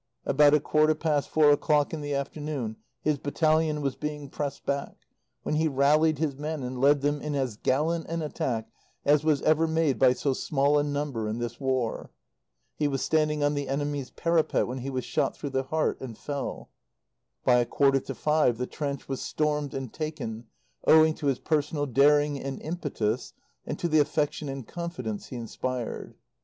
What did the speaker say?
About a quarter past four o'clock in the afternoon his battalion was being pressed back, when he rallied his men and led them in as gallant an attack as was ever made by so small a number in this War. He was standing on the enemy's parapet when he was shot through the heart and fell. By a quarter to five the trench was stormed and taken, owing to his personal daring and impetus and to the affection and confidence he inspired....